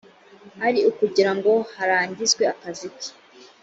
ari ukugira ngo harangizwe akazi ke